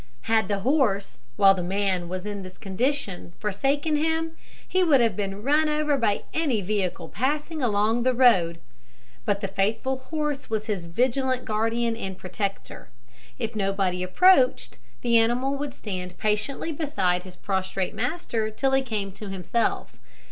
Had the horse, while the man was in this condition, forsaken him, he would have been run over by any vehicle passing along the road; but the faithful horse was his vigilant guardian and protector. If nobody approached, the animal would stand patiently beside his prostrate master till he came to himself.